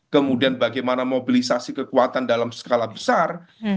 kemudian bagaimana mobilisasi kekuatan dalam skala besar